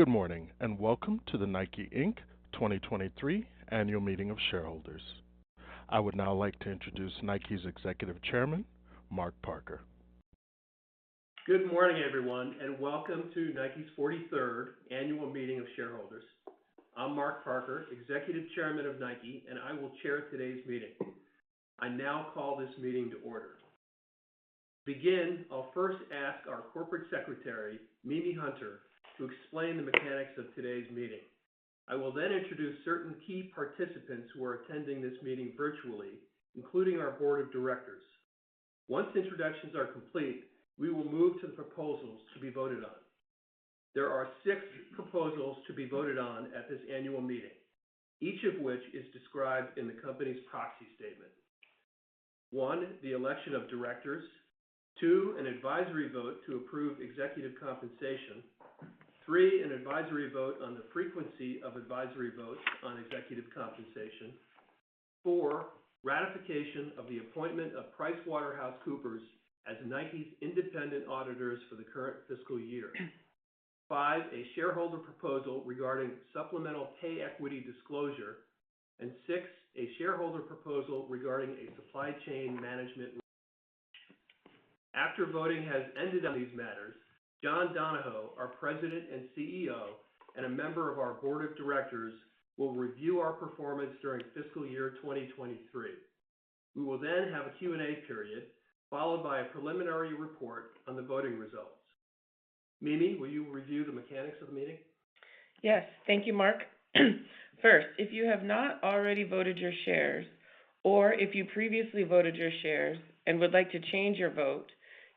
Good morning, and welcome to the Nike, Inc. 2023 Annual Meeting of Shareholders. I would now like to introduce Nike's Executive Chairman, Mark Parker. Good morning, everyone, and welcome to Nike's 43rd Annual Meeting of Shareholders. I'm Mark Parker, Executive Chairman of Nike, and I will chair today's meeting. I now call this meeting to order. To begin, I'll first ask our Corporate Secretary, Mimi Hunter, to explain the mechanics of today's meeting. I will then introduce certain key participants who are attending this meeting virtually, including our board of directors. Once introductions are complete, we will move to the proposals to be voted on. There are 6 proposals to be voted on at this annual meeting, each of which is described in the company's proxy statement. 1, the election of directors; 2, an advisory vote to approve executive compensation; 3, an advisory vote on the frequency of advisory votes on executive compensation; 4, ratification of the appointment of PricewaterhouseCoopers as Nike's independent auditors for the current fiscal year; 5, a shareholder proposal regarding supplemental pay equity disclosure; and 6, a shareholder proposal regarding a supply chain management. After voting has ended on these matters, John Donahoe, our President and CEO, and a member of our board of directors, will review our performance during fiscal year 2023. We will then have a Q&A period, followed by a preliminary report on the voting results. Mimi, will you review the mechanics of the meeting? Yes. Thank you, Mark. First, if you have not already voted your shares, or if you previously voted your shares and would like to change your vote,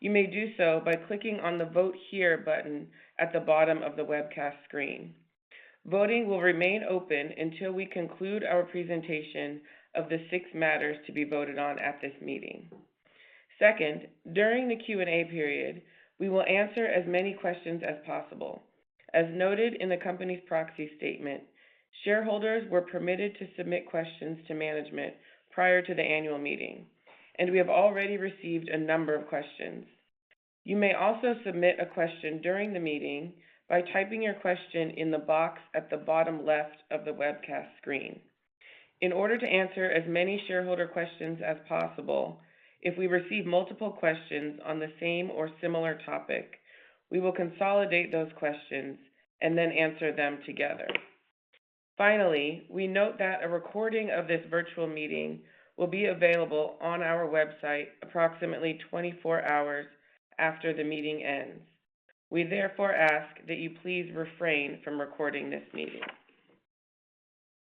you may do so by clicking on the Vote Here button at the bottom of the webcast screen. Voting will remain open until we conclude our presentation of the six matters to be voted on at this meeting. Second, during the Q&A period, we will answer as many questions as possible. As noted in the company's Proxy Statement, shareholders were permitted to submit questions to management prior to the annual meeting, and we have already received a number of questions. You may also submit a question during the meeting by typing your question in the box at the bottom left of the webcast screen. In order to answer as many shareholder questions as possible, if we receive multiple questions on the same or similar topic, we will consolidate those questions and then answer them together. Finally, we note that a recording of this virtual meeting will be available on our website approximately 24 hours after the meeting ends. We therefore ask that you please refrain from recording this meeting.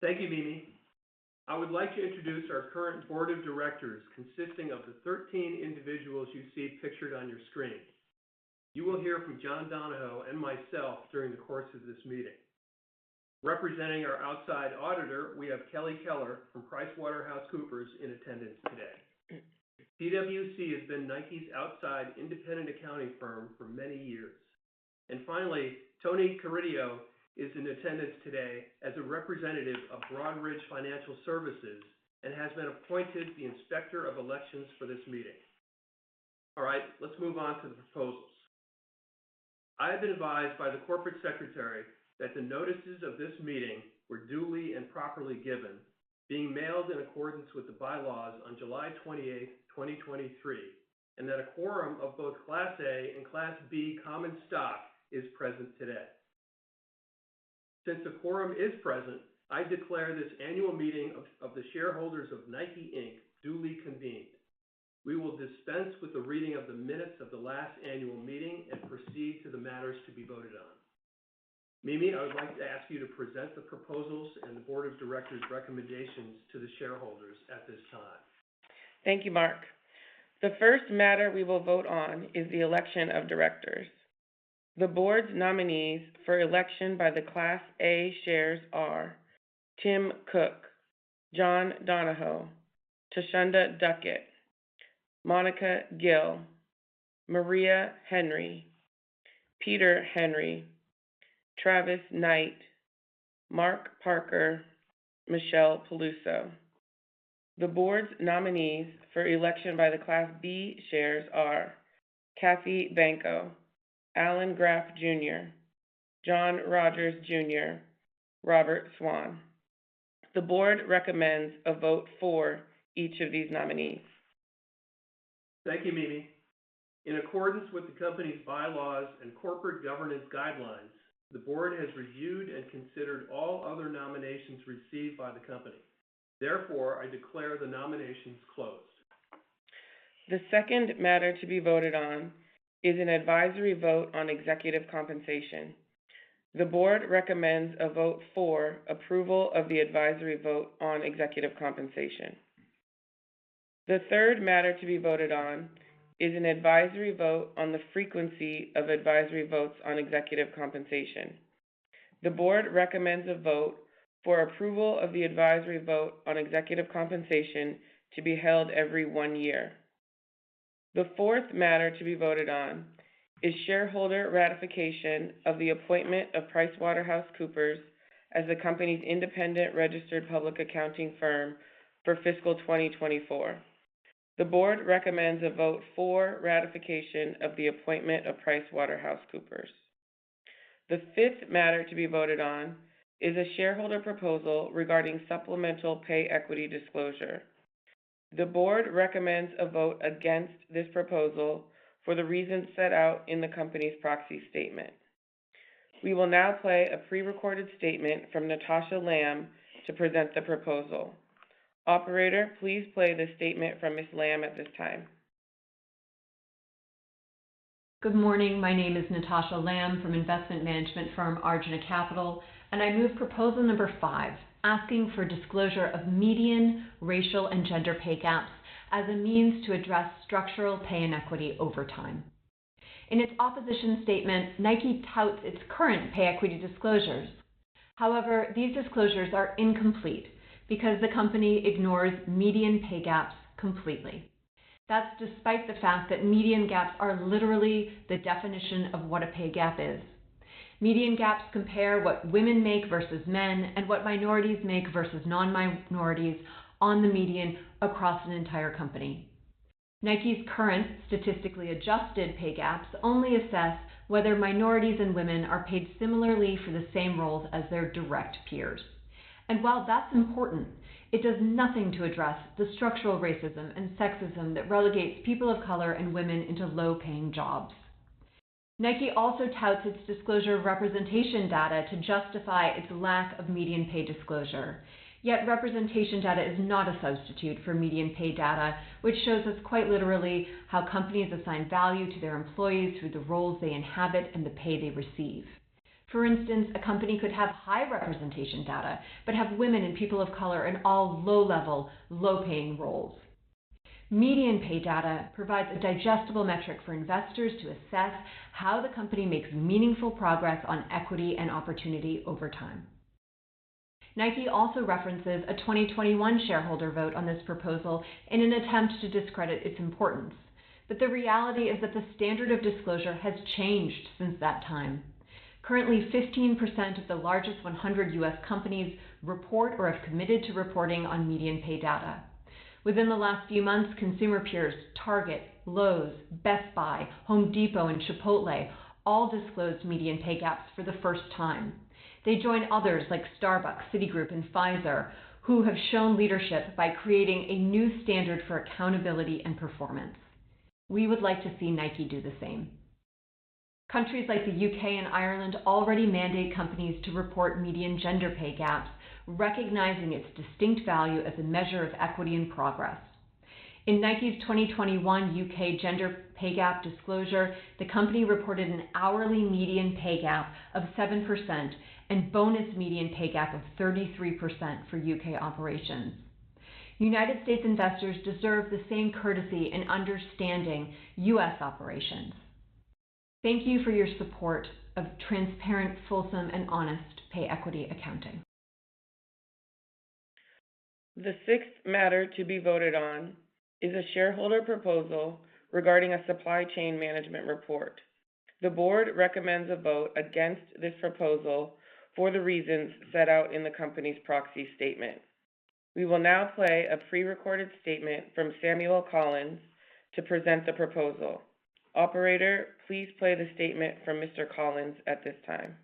Thank you, Mimi. I would like to introduce our current board of directors, consisting of the 13 individuals you see pictured on your screen. You will hear from John Donahoe and myself during the course of this meeting. Representing our outside auditor, we have Kelley Keller from PricewaterhouseCoopers in attendance today. PwC has been Nike's outside independent accounting firm for many years. And finally, Tony Carideo is in attendance today as a representative of Broadridge Financial Solutions, and has been appointed the Inspector of Election for this meeting. All right, let's move on to the proposals. I have been advised by the corporate secretary that the notices of this meeting were duly and properly given, being mailed in accordance with the bylaws on July 28, 2023, and that a quorum of both Class A and Class B common stock is present today. Since the quorum is present, I declare this annual meeting of the shareholders of Nike, Inc. duly convened. We will dispense with the reading of the minutes of the last annual meeting and proceed to the matters to be voted on. Mimi, I would like to ask you to present the proposals and the board of directors' recommendations to the shareholders at this time. Thank you, Mark. The first matter we will vote on is the election of directors. The board's nominees for election by the Class A shares are: Tim Cook, John Donahoe, Thasunda Duckett, Mónica Gil, Maria Henry, Peter Henry, Travis Knight, Mark Parker, Michelle Peluso. The board's nominees for election by the Class B shares are: Cathleen Benko, Alan Graf Jr., John Rogers, Jr., Robert Swan. The board recommends a vote for each of these nominees. Thank you, Mimi. In accordance with the company's bylaws and corporate governance guidelines, the board has reviewed and considered all other nominations received by the company. Therefore, I declare the nominations closed. The second matter to be voted on is an advisory vote on executive compensation. The board recommends a vote for approval of the advisory vote on executive compensation. The third matter to be voted on is an advisory vote on the frequency of advisory votes on executive compensation. The board recommends a vote for approval of the advisory vote on executive compensation to be held every one year. The fourth matter to be voted on is shareholder ratification of the appointment of PricewaterhouseCoopers as the company's independent registered public accounting firm for fiscal 2024. The board recommends a vote for ratification of the appointment of PricewaterhouseCoopers. The fifth matter to be voted on is a shareholder proposal regarding supplemental pay equity disclosure. The board recommends a vote against this proposal for the reasons set out in the company's Proxy Statement. We will now play a pre-recorded statement from Natasha Lamb to present the proposal. Operator, please play the statement from Ms. Lamb at this time. Good morning. My name is Natasha Lamb from investment management firm, Arjuna Capital, and I move proposal number 5, asking for disclosure of median racial and gender pay gaps as a means to address structural pay inequity over time. In its opposition statement, Nike touts its current pay equity disclosures. However, these disclosures are incomplete because the company ignores median pay gaps completely. That's despite the fact that median gaps are literally the definition of what a pay gap is. Median gaps compare what women make versus men, and what minorities make versus non-minorities on the median across an entire company. Nike's current statistically adjusted pay gaps only assess whether minorities and women are paid similarly for the same roles as their direct peers. And while that's important, it does nothing to address the structural racism and sexism that relegates people of color and women into low-paying jobs. Nike also touts its disclosure of representation data to justify its lack of median pay disclosure. Yet representation data is not a substitute for median pay data, which shows us quite literally how companies assign value to their employees through the roles they inhabit and the pay they receive. For instance, a company could have high representation data, but have women and people of color in all low-level, low-paying roles. Median pay data provides a digestible metric for investors to assess how the company makes meaningful progress on equity and opportunity over time. Nike also references a 2021 shareholder vote on this proposal in an attempt to discredit its importance, but the reality is that the standard of disclosure has changed since that time. Currently, 15% of the largest 100 U.S. companies report or have committed to reporting on median pay data. Within the last few months, consumer peers, Target, Lowe's, Best Buy, Home Depot, and Chipotle all disclosed median pay gaps for the first time. They join others like Starbucks, Citigroup, and Pfizer, who have shown leadership by creating a new standard for accountability and performance. We would like to see Nike do the same. Countries like the U.K. and Ireland already mandate companies to report median gender pay gaps, recognizing its distinct value as a measure of equity and progress. In Nike's 2021 U.K. gender pay gap disclosure, the company reported an hourly median pay gap of 7% and bonus median pay gap of 33% for U.K. operations. United States investors deserve the same courtesy in understanding U.S. operations. Thank you for your support of transparent, fulsome, and honest pay equity accounting. The sixth matter to be voted on is a shareholder proposal regarding a supply chain management report. The board recommends a vote against this proposal for the reasons set out in the company's Proxy Statement. We will now play a pre-recorded statement from Samuel Collins to present the proposal. Operator, please play the statement from Mr. Collins at this time.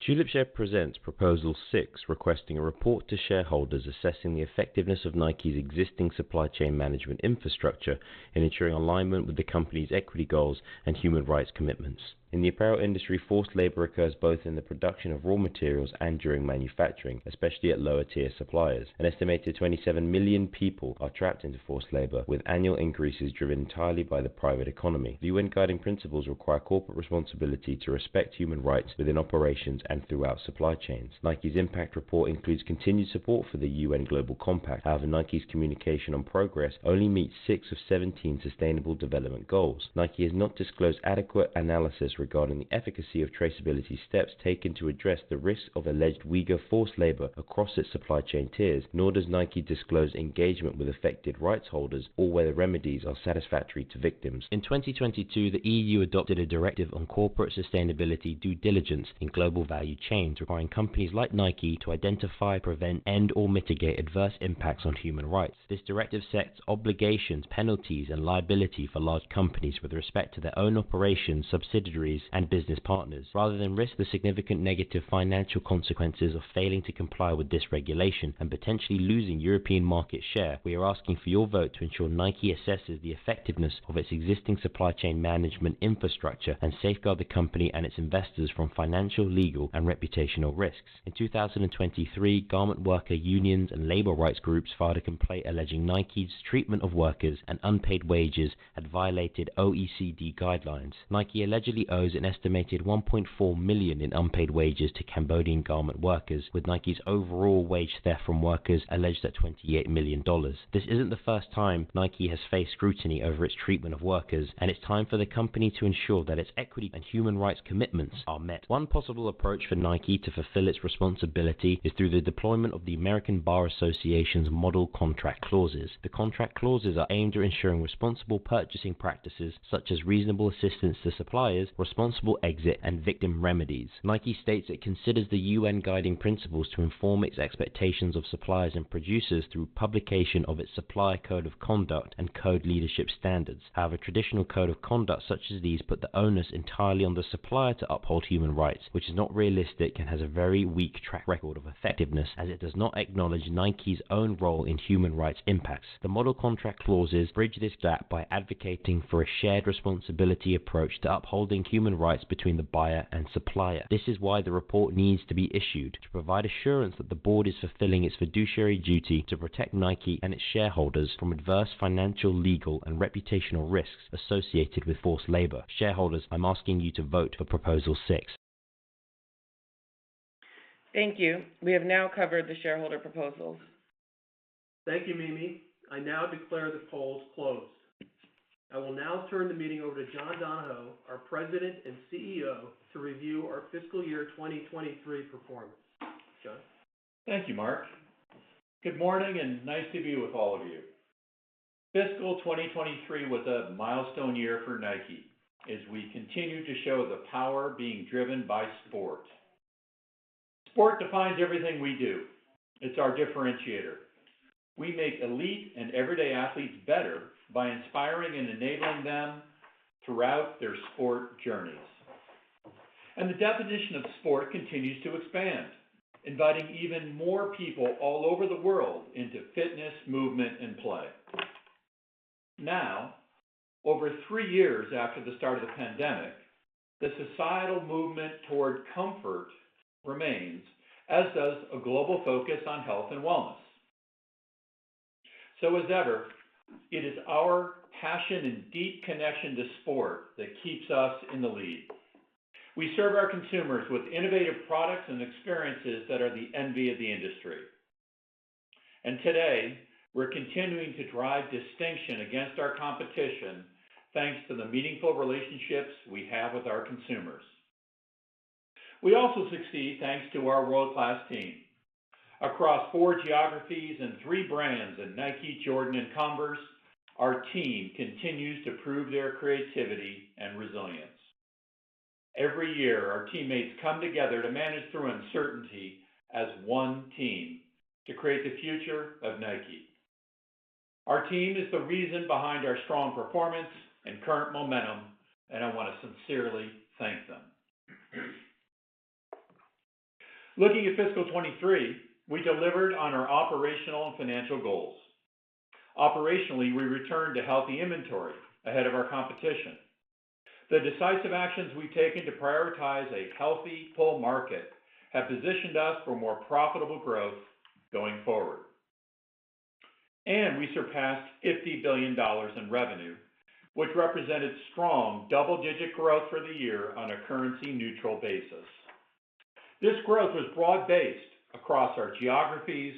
Tulipshare presents Proposal Six, requesting a report to shareholders assessing the effectiveness of Nike's existing supply chain management infrastructure in ensuring alignment with the company's equity goals and human rights commitments. In the apparel industry, forced labor occurs both in the production of raw materials and during manufacturing, especially at lower-tier suppliers. An estimated 27 million people are trapped into forced labor, with annual increases driven entirely by the private economy. The UN Guiding Principles require corporate responsibility to respect human rights within operations and throughout supply chains. Nike's impact report includes continued support for the UN Global Compact. However, Nike's communication on progress only meets six of 17 Sustainable Development Goals. Nike has not disclosed adequate analysis regarding the efficacy of traceability steps taken to address the risks of alleged Uyghur forced labor across its supply chain tiers, nor does Nike disclose engagement with affected rights holders or whether remedies are satisfactory to victims. In 2022, the EU adopted a directive on Corporate Sustainability Due Diligence in global value chains, requiring companies like Nike to identify, prevent, end, or mitigate adverse impacts on human rights. This directive sets obligations, penalties, and liability for large companies with respect to their own operations, subsidiaries, and business partners. Rather than risk the significant negative financial consequences of failing to comply with this regulation and potentially losing European market share, we are asking for your vote to ensure Nike assesses the effectiveness of its existing supply chain management infrastructure and safeguard the company and its investors from financial, legal, and reputational risks. In 2023, garment worker unions and labor rights groups filed a complaint alleging Nike's treatment of workers and unpaid wages had violated OECD Guidelines. Nike allegedly owes an estimated $1.4 million in unpaid wages to Cambodian garment workers, with Nike's overall wage theft from workers alleged at $28 million. This isn't the first time Nike has faced scrutiny over its treatment of workers, and it's time for the company to ensure that its equity and human rights commitments are met. One possible approach for Nike to fulfill its responsibility is through the deployment of the American Bar Association's Model Contract Clauses. The contract clauses are aimed at ensuring responsible purchasing practices such as reasonable assistance to suppliers, responsible exit, and victim remedies. Nike states it considers the U.N. Guiding Principles to inform its expectations of suppliers and producers through publication of its supplier code of conduct and code leadership standards. However, traditional code of conduct, such as these, put the onus entirely on the supplier to uphold human rights, which is not realistic and has a very weak track record of effectiveness, as it does not acknowledge Nike's own role in human rights impacts. The Model Contract Clauses bridge this gap by advocating for a shared responsibility approach to upholding human rights between the buyer and supplier. This is why the report needs to be issued, to provide assurance that the board is fulfilling its fiduciary duty to protect Nike and its shareholders from adverse financial, legal, and reputational risks associated with forced labor. Shareholders, I'm asking you to vote for Proposal Six. Thank you. We have now covered the shareholder proposals. Thank you, Mimi. I now declare the polls closed. I will now turn the meeting over to John Donahoe, our President and CEO, to review our fiscal year 2023 performance. John? Thank you, Mark. Good morning, and nice to be with all of you. Fiscal 2023 was a milestone year for Nike as we continue to show the power of being driven by sport. Sport defines everything we do. It's our differentiator. We make elite and everyday athletes better by inspiring and enabling them throughout their sport journeys. And the definition of sport continues to expand, inviting even more people all over the world into fitness, movement, and play. Now, over three years after the start of the pandemic, the societal movement toward comfort remains, as does a global focus on health and wellness. So as ever, it is our passion and deep connection to sport that keeps us in the lead. We serve our consumers with innovative products and experiences that are the envy of the industry. Today, we're continuing to drive distinction against our competition, thanks to the meaningful relationships we have with our consumers. We also succeed thanks to our world-class team. Across four geographies and three brands in Nike, Jordan, and Converse, our team continues to prove their creativity and resilience. Every year, our teammates come together to manage through uncertainty as one team to create the future of Nike. Our team is the reason behind our strong performance and current momentum, and I want to sincerely thank them. Looking at fiscal 2023, we delivered on our operational and financial goals. Operationally, we returned to healthy inventory ahead of our competition. The decisive actions we've taken to prioritize a healthy, full market have positioned us for more profitable growth going forward. We surpassed $50 billion in revenue, which represented strong double-digit growth for the year on a currency-neutral basis. This growth was broad-based across our geographies,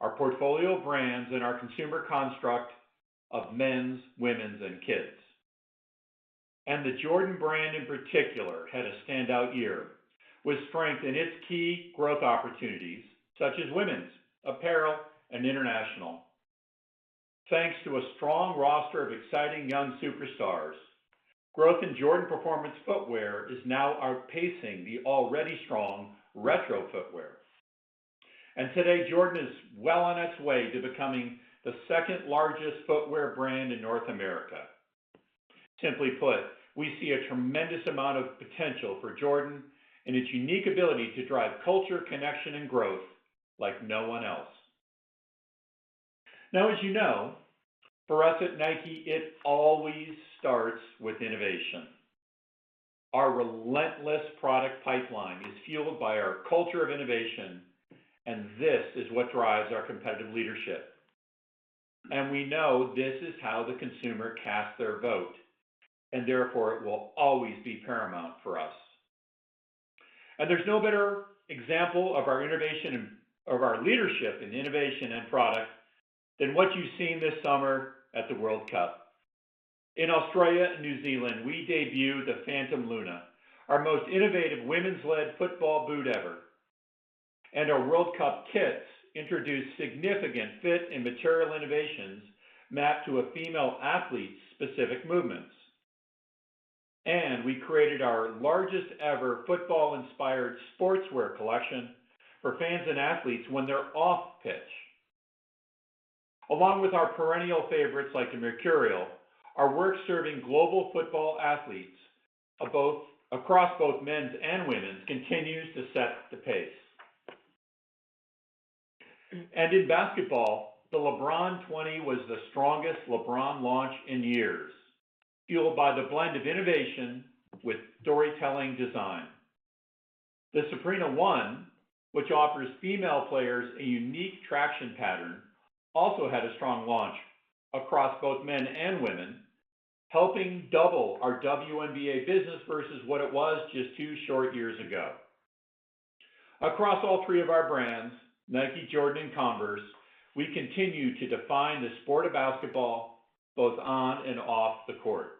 our portfolio of brands, and our consumer construct of men's, women's, and kids. And the Jordan Brand, in particular, had a standout year, with strength in its key growth opportunities, such as women's apparel and international. Thanks to a strong roster of exciting young superstars, growth in Jordan performance footwear is now outpacing the already strong retro footwear. And today, Jordan is well on its way to becoming the second largest footwear brand in North America. Simply put, we see a tremendous amount of potential for Jordan and its unique ability to drive culture, connection, and growth like no one else. Now, as you know, for us at Nike, it always starts with innovation. Our relentless product pipeline is fueled by our culture of innovation, and this is what drives our competitive leadership. We know this is how the consumer cast their vote, and therefore, it will always be paramount for us. There's no better example of our innovation of our leadership in innovation and product than what you've seen this summer at the World Cup. In Australia and New Zealand, we debuted the Phantom Luna, our most innovative women's-led football boot ever. Our World Cup kits introduced significant fit and material innovations mapped to a female athlete's specific movements. We created our largest-ever football-inspired sportswear collection for fans and athletes when they're off-pitch. Along with our perennial favorites like the Mercurial, our work serving global football athletes across both men's and women's continues to set the pace. In basketball, the LeBron XX was the strongest LeBron launch in years, fueled by the blend of innovation with storytelling design. The Sabrina 1, which offers female players a unique traction pattern, also had a strong launch across both men and women, helping double our WNBA business versus what it was just two short years ago. Across all three of our brands, Nike, Jordan, and Converse, we continue to define the sport of basketball, both on and off the court.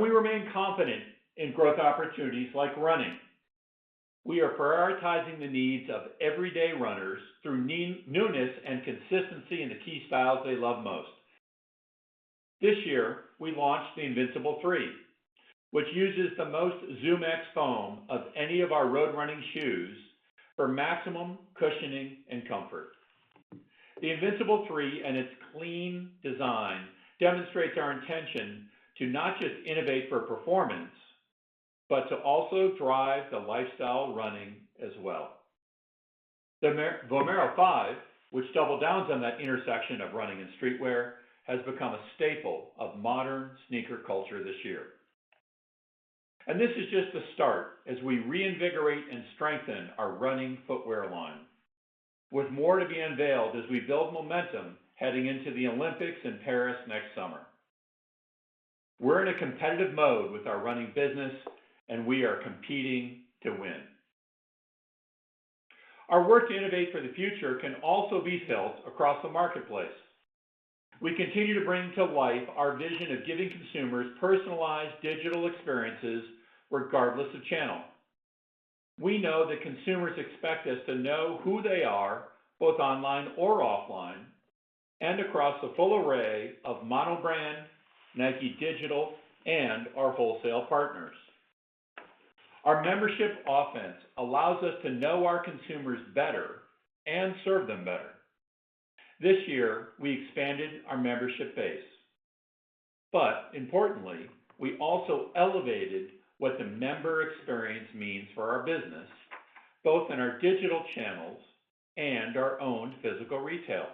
We remain confident in growth opportunities like running. We are prioritizing the needs of everyday runners through newness and consistency in the key styles they love most. This year, we launched the Invincible 3, which uses the most ZoomX foam of any of our road running shoes for maximum cushioning and comfort. The Invincible 3 and its clean design demonstrates our intention to not just innovate for performance, but to also drive the lifestyle running as well. The Vomero 5, which double downs on that intersection of running and streetwear, has become a staple of modern sneaker culture this year. This is just the start as we reinvigorate and strengthen our running footwear line, with more to be unveiled as we build momentum heading into the Olympics in Paris next summer. We're in a competitive mode with our running business, and we are competing to win. Our work to innovate for the future can also be felt across the marketplace. We continue to bring to life our vision of giving consumers personalized digital experiences, regardless of channel. We know that consumers expect us to know who they are, both online or offline, and across the full array of mono-brand, Nike Digital, and our wholesale partners. Our Membership offense allows us to know our consumers better and serve them better. This year, we expanded our membership base, but importantly, we also elevated what the member experience means for our business, both in our digital channels and our own physical retail.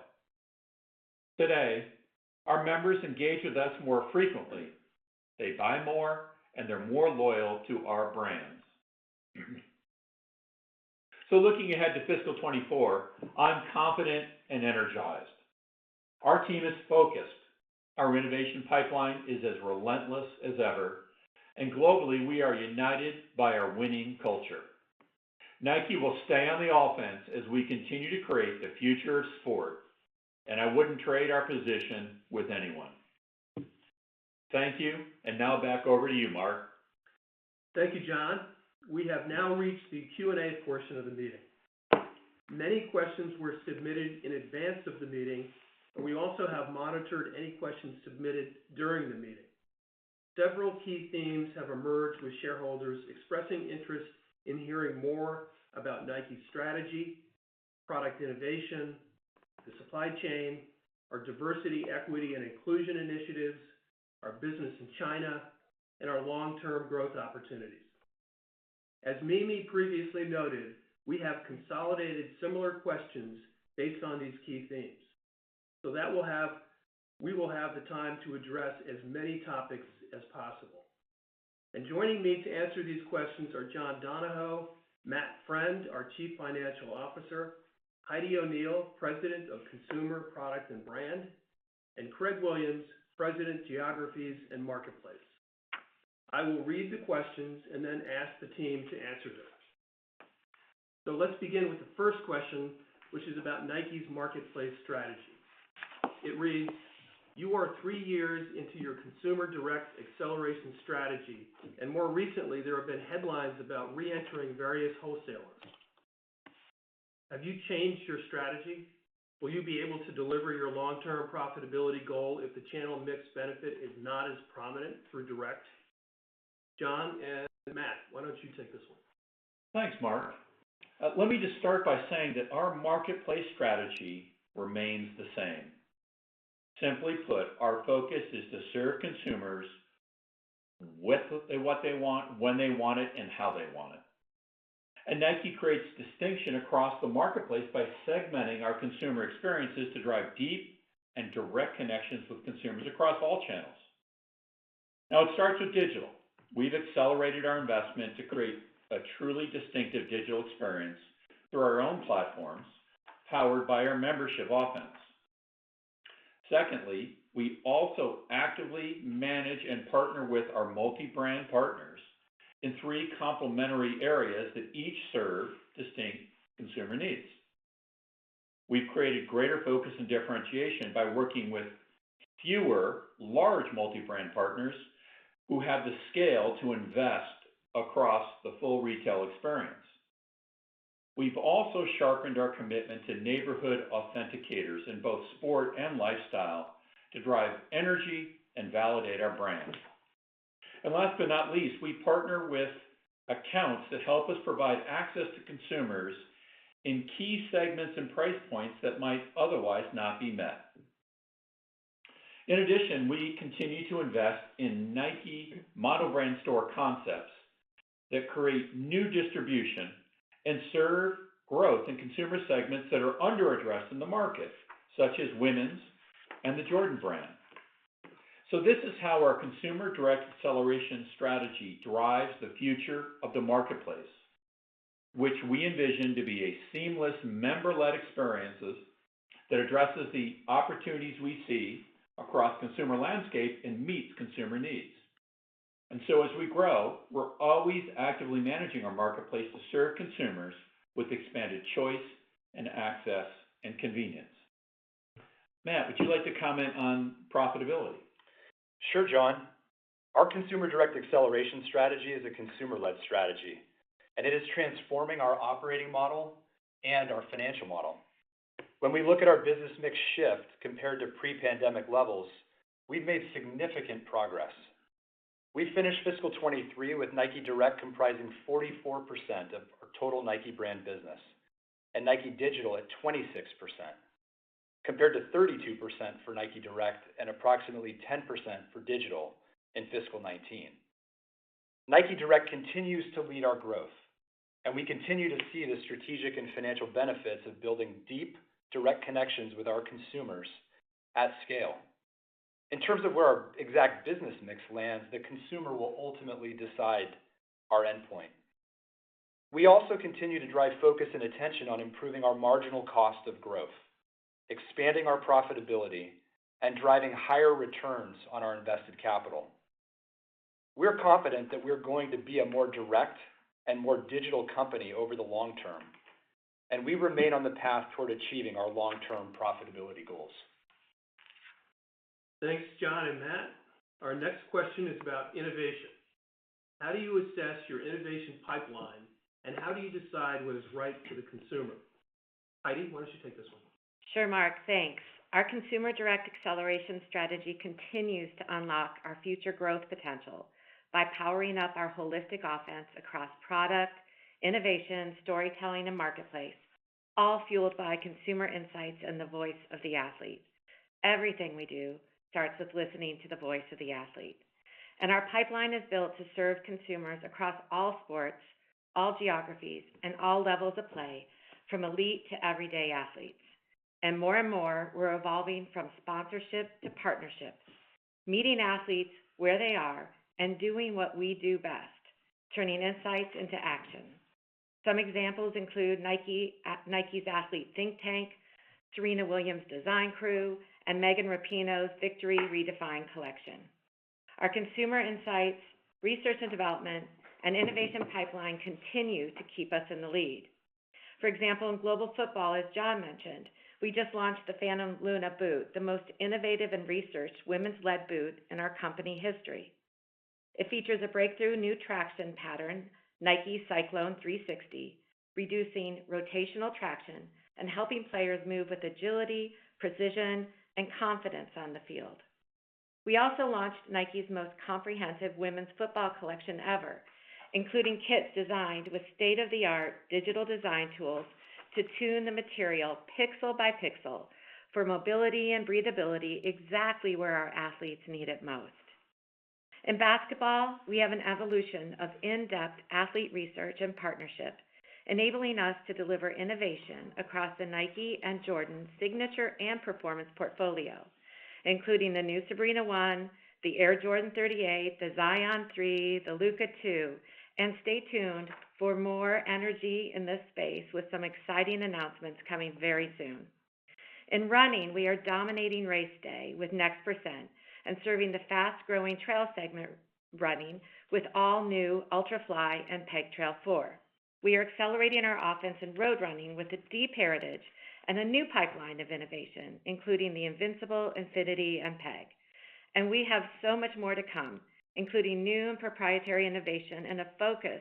Today, our members engage with us more frequently. They buy more, and they're more loyal to our brands. So looking ahead to fiscal 2024, I'm confident and energized. Our team is focused, our innovation pipeline is as relentless as ever, and globally, we are united by our winning culture. Nike will stay on the offense as we continue to create the future of sport, and I wouldn't trade our position with anyone. Thank you, and now back over to you, Mark. Thank you, John. We have now reached the Q&A portion of the meeting. Many questions were submitted in advance of the meeting, and we also have monitored any questions submitted during the meeting. Several key themes have emerged, with shareholders expressing interest in hearing more about Nike's strategy, product innovation, the supply chain, our diversity, equity, and inclusion initiatives, our business in China, and our long-term growth opportunities. As Mimi previously noted, we have consolidated similar questions based on these key themes. So we will have the time to address as many topics as possible. And joining me to answer these questions are John Donahoe, Matt Friend, our Chief Financial Officer, Heidi O'Neill, President of Consumer, Product, and Brand, and Craig Williams, President, Geographies & Marketplace. I will read the questions and then ask the team to answer them. So let's begin with the first question, which is about Nike's marketplace strategy. It reads: You are three years into your Consumer Direct Acceleration strategy, and more recently, there have been headlines about reentering various wholesalers. Have you changed your strategy? Will you be able to deliver your long-term profitability goal if the channel mix benefit is not as prominent through direct? John and Matt, why don't you take this one? Thanks, Mark. Let me just start by saying that our marketplace strategy remains the same. Simply put, our focus is to serve consumers with what they want, when they want it, and how they want it. Nike creates distinction across the marketplace by segmenting our consumer experiences to drive deep and direct connections with consumers across all channels. Now, it starts with digital. We've accelerated our investment to create a truly distinctive digital experience through our own platforms, powered by our Membership offense. Secondly, we also actively manage and partner with our multi-brand partners in three complementary areas that each serve distinct consumer needs. We've created greater focus and differentiation by working with fewer large multi-brand partners who have the scale to invest across the full retail experience. We've also sharpened our commitment to neighborhood authenticators in both sport and lifestyle to drive energy and validate our brand. Last but not least, we partner with accounts that help us provide access to consumers in key segments and price points that might otherwise not be met. In addition, we continue to invest in Nike mono-brand store concepts that create new distribution and serve growth in consumer segments that are underaddressed in the market, such as women's and the Jordan Brand. This is how our Consumer Direct Acceleration strategy drives the future of the marketplace, which we envision to be a seamless, member-led experiences that addresses the opportunities we see across consumer landscape and meets consumer needs. As we grow, we're always actively managing our marketplace to serve consumers with expanded choice and access and convenience. Matt, would you like to comment on profitability? Sure, John. Our Consumer Direct Acceleration strategy is a consumer-led strategy, and it is transforming our operating model and our financial model. When we look at our business mix shift compared to pre-pandemic levels, we've made significant progress. We finished fiscal 2023 with Nike Direct comprising 44% of our total Nike brand business, and Nike Digital at 26%, compared to 32% for Nike Direct and approximately 10% for digital in fiscal 2019. Nike Direct continues to lead our growth, and we continue to see the strategic and financial benefits of building deep, direct connections with our consumers at scale. In terms of where our exact business mix lands, the consumer will ultimately decide our endpoint. We also continue to drive focus and attention on improving our marginal cost of growth, expanding our profitability, and driving higher returns on our invested capital. We're confident that we're going to be a more direct and more digital company over the long term, and we remain on the path toward achieving our long-term profitability goals. Thanks, John and Matt. Our next question is about innovation. How do you assess your innovation pipeline, and how do you decide what is right for the consumer? Heidi, why don't you take this one? Sure, Mark. Thanks. Our Consumer Direct Acceleration strategy continues to unlock our future growth potential by powering up our holistic offense across product, innovation, storytelling, and marketplace, all fueled by consumer insights and the voice of the athletes. Everything we do starts with listening to the voice of the athlete, and our pipeline is built to serve consumers across all sports, all geographies, and all levels of play, from elite to everyday athletes. And more and more, we're evolving from sponsorship to partnerships, meeting athletes where they are and doing what we do best: turning insights into action. Some examples include Nike, at Nike's Athlete Think Tank, Serena Williams Design Crew, and Megan Rapinoe's Victory Redefined collection. Our consumer insights, research and development, and innovation pipeline continue to keep us in the lead. For example, in global football, as John mentioned, we just launched the Phantom Luna boot, the most innovative and researched women's-led boot in our company history. It features a breakthrough new traction pattern, Nike Cyclone 360, reducing rotational traction and helping players move with agility, precision, and confidence on the field. We also launched Nike's most comprehensive women's football collection ever, including kits designed with state-of-the-art digital design tools to tune the material pixel by pixel for mobility and breathability, exactly where our athletes need it most. In basketball, we have an evolution of in-depth athlete research and partnership, enabling us to deliver innovation across the Nike and Jordan signature and performance portfolio, including the new Sabrina 1, the Air Jordan XXXVIII, the Zion 3, the Luka 2. And stay tuned for more energy in this space, with some exciting announcements coming very soon. In running, we are dominating race day with NEXT% and serving the fast-growing trail segment, running with all new Ultrafly and Pegasus Trail 4. We are accelerating our offense in road running with a deep heritage and a new pipeline of innovation, including the Invincible, Infinity, and Pegasus. We have so much more to come, including new and proprietary innovation and a focus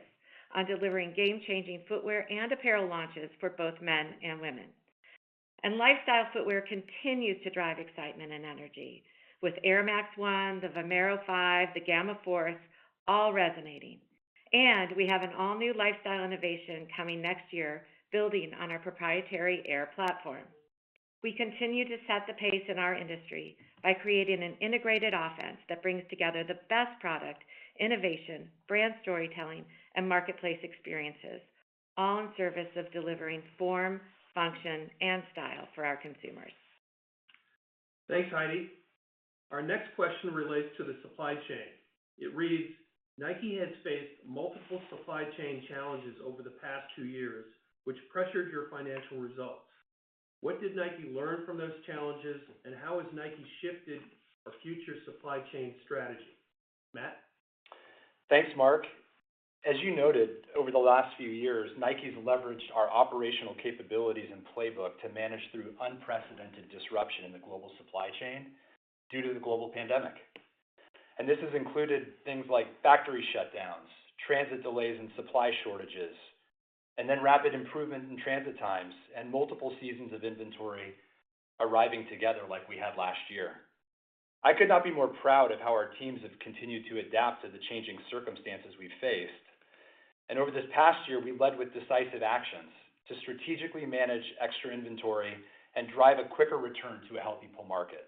on delivering game-changing footwear and apparel launches for both men and women. Lifestyle footwear continues to drive excitement and energy with Air Max 1, the Vomero 5, the Gamma Force, all resonating. We have an all-new lifestyle innovation coming next year, building on our proprietary Air platform. We continue to set the pace in our industry by creating an integrated offense that brings together the best product, innovation, brand storytelling, and marketplace experiences, all in service of delivering form, function, and style for our consumers. Thanks, Heidi. Our next question relates to the supply chain. It reads: Nike has faced multiple supply chain challenges over the past two years, which pressured your financial results. What did Nike learn from those challenges, and how has Nike shifted our future supply chain strategy? Matt? Thanks, Mark. As you noted, over the last few years, Nike's leveraged our operational capabilities and playbook to manage through unprecedented disruption in the global supply chain due to the global pandemic. And this has included things like factory shutdowns, transit delays, and supply shortages, and then rapid improvement in transit times and multiple seasons of inventory arriving together like we had last year. I could not be more proud of how our teams have continued to adapt to the changing circumstances we've faced. And over this past year, we led with decisive actions to strategically manage extra inventory and drive a quicker return to a healthy pull market.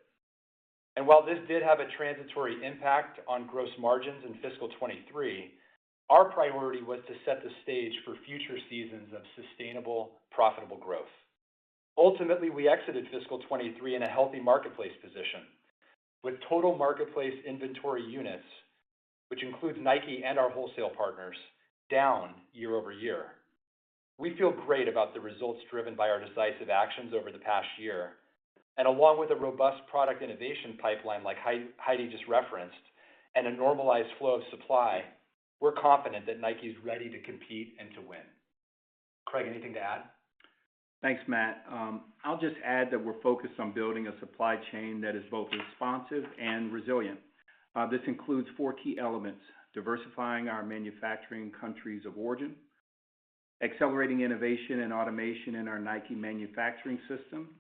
And while this did have a transitory impact on gross margins in fiscal 2023, our priority was to set the stage for future seasons of sustainable, profitable growth. Ultimately, we exited fiscal 2023 in a healthy marketplace position, with total marketplace inventory units, which includes Nike and our wholesale partners, down year-over-year. We feel great about the results driven by our decisive actions over the past year, and along with a robust product innovation pipeline, like Heidi just referenced, and a normalized flow of supply, we're confident that Nike's ready to compete and to win. Craig, anything to add? Thanks, Matt. I'll just add that we're focused on building a supply chain that is both responsive and resilient. This includes four key elements: diversifying our manufacturing countries of origin, accelerating innovation and automation in our Nike manufacturing system,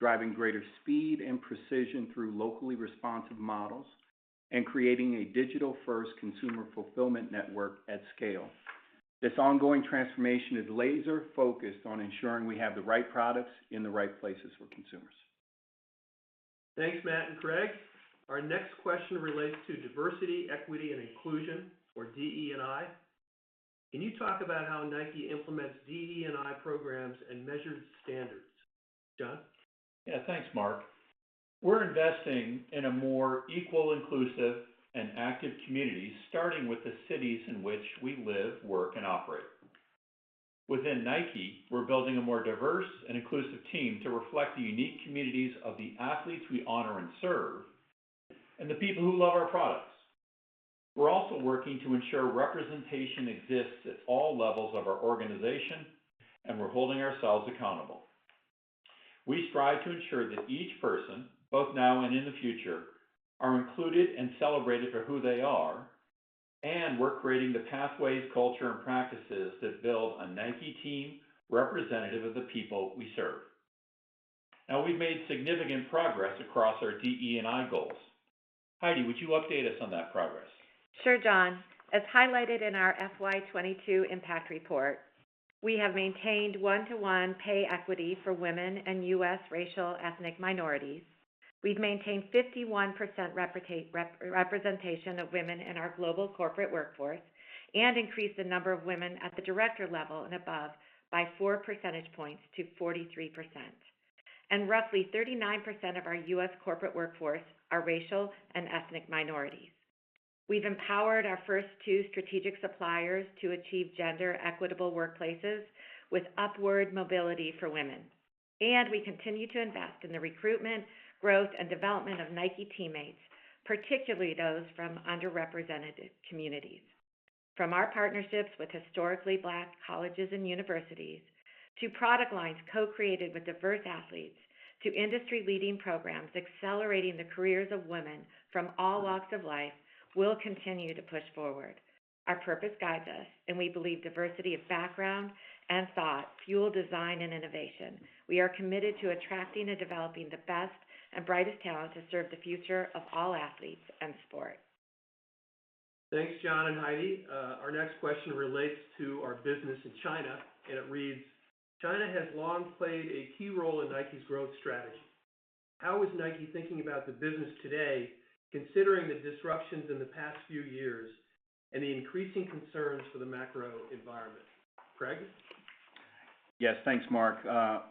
driving greater speed and precision through locally responsive models, and creating a digital-first consumer fulfillment network at scale. This ongoing transformation is laser-focused on ensuring we have the right products in the right places for consumers. Thanks, Matt and Craig. Our next question relates to diversity, equity, and inclusion, or DE&I. Can you talk about how Nike implements DE&I programs and measures standards? John? Yeah, thanks, Mark. We're investing in a more equal, inclusive, and active community, starting with the cities in which we live, work, and operate. Within Nike, we're building a more diverse and inclusive team to reflect the unique communities of the athletes we honor and serve, and the people who love our products. We're also working to ensure representation exists at all levels of our organization, and we're holding ourselves accountable. We strive to ensure that each person, both now and in the future, are included and celebrated for who they are, and we're creating the pathways, culture, and practices that build a Nike team representative of the people we serve. Now, we've made significant progress across our DE&I goals. Heidi, would you update us on that progress? Sure, John. As highlighted in our FY 2022 impact report, we have maintained one-to-one pay equity for women and U.S. racial ethnic minorities. We've maintained 51% representation of women in our global corporate workforce and increased the number of women at the director level and above by 4 percentage points to 43%. And roughly 39% of our US corporate workforce are racial and ethnic minorities. We've empowered our first two strategic suppliers to achieve gender-equitable workplaces with upward mobility for women, and we continue to invest in the recruitment, growth, and development of Nike teammates, particularly those from underrepresented communities. From our partnerships with historically Black colleges and universities, to product lines co-created with diverse athletes, to industry-leading programs accelerating the careers of women from all walks of life, we'll continue to push forward. Our purpose guides us, and we believe diversity of background and thought fuel design and innovation. We are committed to attracting and developing the best and brightest talent to serve the future of all athletes and sport. Thanks, John and Heidi. Our next question relates to our business in China, and it reads: China has long played a key role in Nike's growth strategy. How is Nike thinking about the business today, considering the disruptions in the past few years and the increasing concerns for the macro environment? Craig? Yes, thanks, Mark.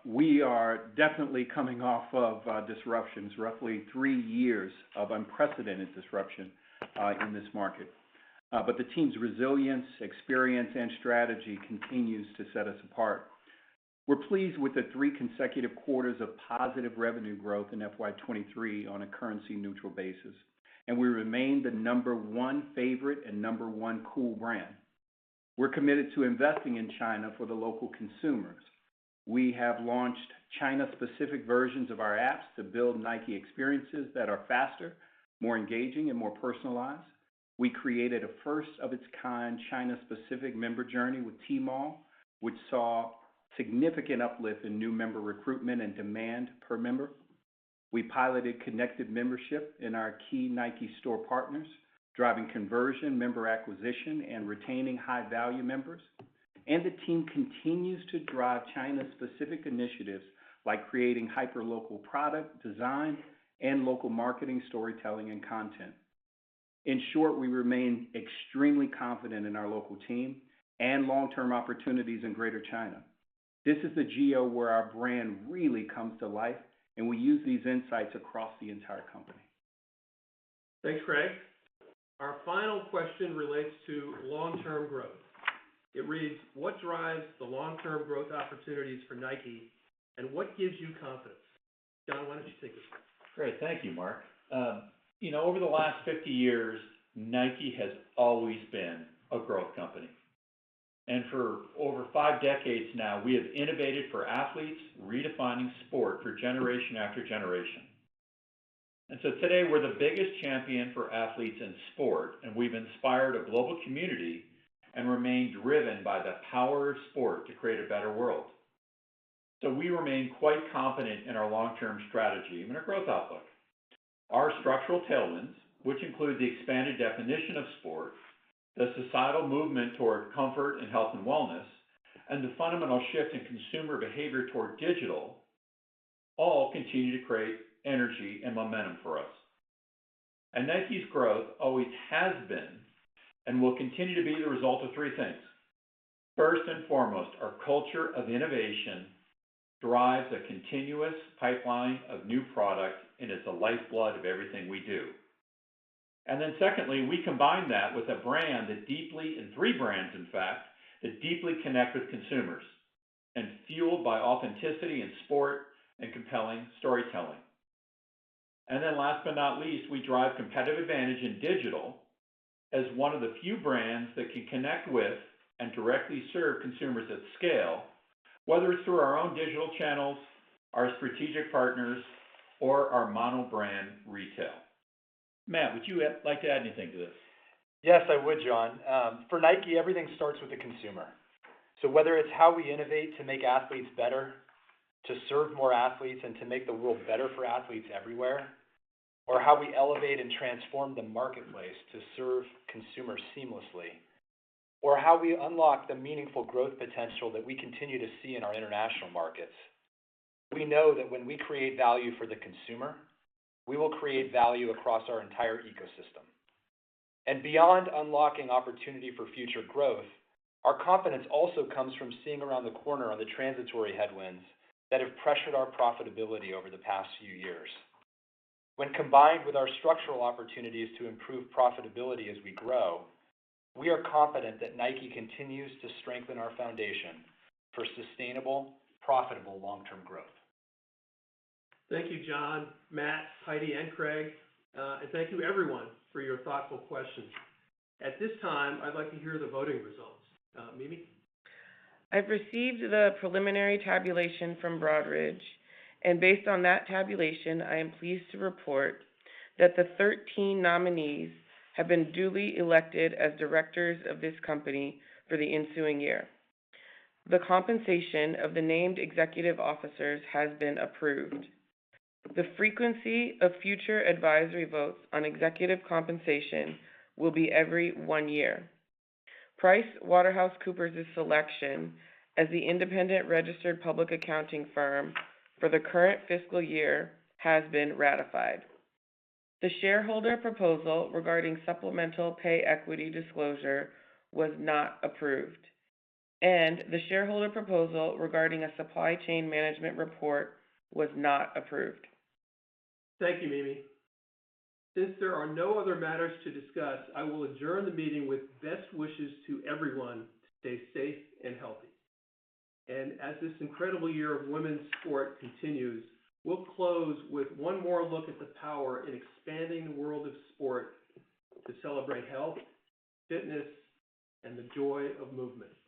We are definitely coming off of disruptions, roughly three years of unprecedented disruption in this market. But the team's resilience, experience, and strategy continues to set us apart. We're pleased with the three consecutive quarters of positive revenue growth in FY 2023 on a currency-neutral basis, and we remain the number one favorite and number one cool brand. We're committed to investing in China for the local consumers. We have launched China-specific versions of our apps to build Nike experiences that are faster, more engaging, and more personalized. We created a first of its kind China-specific member journey with Tmall, which saw significant uplift in new member recruitment and demand per member. We piloted Connected Membership in our key Nike store partners, driving conversion, member acquisition, and retaining high-value members. The team continues to drive China-specific initiatives like creating hyper-local product design and local marketing, storytelling, and content. In short, we remain extremely confident in our local team and long-term opportunities in Greater China. This is the geo where our brand really comes to life, and we use these insights across the entire company. Thanks, Craig. Our final question relates to long-term growth. It reads: What drives the long-term growth opportunities for Nike, and what gives you confidence? John, why don't you take this? Great. Thank you, Mark. You know, over the last 50 years, Nike has always been a growth company, and for over five decades now, we have innovated for athletes, redefining sport for generation after generation. So today, we're the biggest champion for athletes in sport, and we've inspired a global community and remained driven by the power of sport to create a better world. So we remain quite confident in our long-term strategy and our growth outlook. Our structural tailwinds, which include the expanded definition of sport, the societal movement toward comfort and health and wellness, and the fundamental shift in consumer behavior toward digital, all continue to create energy and momentum for us. Nike's growth always has been and will continue to be the result of three things. First and foremost, our culture of innovation drives a continuous pipeline of new products and is the lifeblood of everything we do. And then secondly, we combine that with a brand that deeply and three brands, in fact, that deeply connect with consumers and fueled by authenticity and sport and compelling storytelling. And then last but not least, we drive competitive advantage in digital as one of the few brands that can connect with and directly serve consumers at scale, whether it's through our own digital channels, our strategic partners, or our mono-brand retail. Matt, would you add, like to add anything to this? Yes, I would, John. For Nike, everything starts with the consumer. So whether it's how we innovate to make athletes better, to serve more athletes, and to make the world better for athletes everywhere, or how we elevate and transform the marketplace to serve consumers seamlessly, or how we unlock the meaningful growth potential that we continue to see in our international markets, we know that when we create value for the consumer, we will create value across our entire ecosystem. And beyond unlocking opportunity for future growth, our confidence also comes from seeing around the corner on the transitory headwinds that have pressured our profitability over the past few years. When combined with our structural opportunities to improve profitability as we grow, we are confident that Nike continues to strengthen our foundation for sustainable, profitable long-term growth. Thank you, John, Matt, Heidi, and Craig. Thank you, everyone, for your thoughtful questions. At this time, I'd like to hear the voting results. Mimi? I've received the preliminary tabulation from Broadridge, and based on that tabulation, I am pleased to report that the 13 nominees have been duly elected as directors of this company for the ensuing year. The compensation of the named executive officers has been approved. The frequency of future advisory votes on executive compensation will be every one year. PricewaterhouseCoopers' selection as the independent registered public accounting firm for the current fiscal year has been ratified. The shareholder proposal regarding supplemental pay equity disclosure was not approved, and the shareholder proposal regarding a supply chain management report was not approved. Thank you, Mimi. Since there are no other matters to discuss, I will adjourn the meeting with best wishes to everyone to stay safe and healthy. And as this incredible year of women's sport continues, we'll close with one more look at the power in expanding the world of sport to celebrate health, fitness, and the joy of movement.